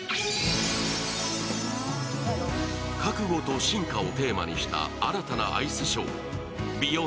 「覚悟と進化」をテーマにした新たなアイスショー「ＢＥＹＯＮＤ」。